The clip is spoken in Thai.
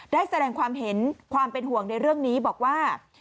ได้แสดงความเห็นความเป็นห่วงในเรื่องนี้บอกว่า